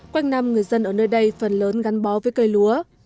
quanh năm người dân ở nơi đây phần lớn gắn bó với cây lúa